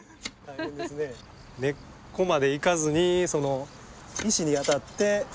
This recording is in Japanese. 根っこまで行かずにその石に当たって。